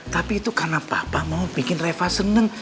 tapi itu karena papa mau bikin reva senang